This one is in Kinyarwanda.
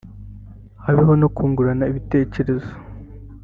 habeho no kungurana ibitekerezo